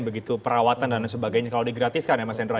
begitu perawatan dan lain sebagainya kalau digratiskan ya mas hendra